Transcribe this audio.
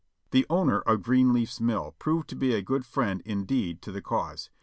The owner of Greenleaf's Mill proved to be a good friend in deed to the cause.